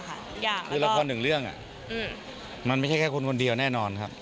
คือละครหนึ่งเรื่องมันไม่ใช่แค่คนคนเดียวแน่นอนครับ